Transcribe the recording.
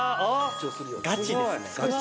ガチですね。